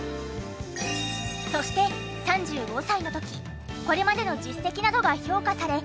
そして３５歳の時これまでの実績などが評価され